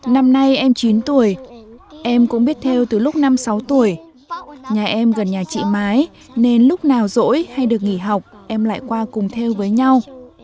năm nay em chín tuổi em cũng biết theo từ lúc năm sáu tuổi nhà em gần nhà chị mái nên lúc nào rỗi hay được nghỉ học em lại qua cùng theo với nhau